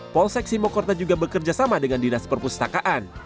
polisi sektor simokerto juga bekerja sama dengan dinas perpustakaan